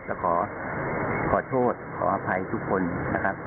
แต่ขอโทษขออภัยทุกคนนะครับ